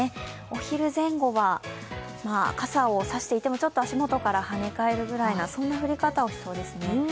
お昼前後は傘を差していても、足元からはね返るぐらいな、そんな降り方をしそうです。